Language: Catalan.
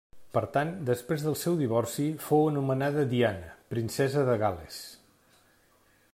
Per tant, després del seu divorci, fou anomenada Diana, Princesa de Gal·les.